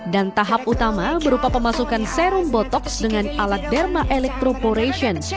dan tahap utama berupa pemasukan serum botoks dengan alat derma elektroporation